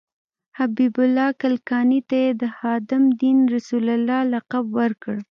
حبیب الله کلکاني ته یې د خادم دین رسول الله لقب ورکړ.